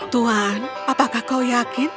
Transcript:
tuan apakah kau yakin